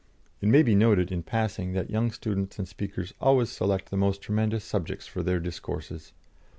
(It may be noted, in passing, that young students and speakers always select the most tremendous subjects for their discourses.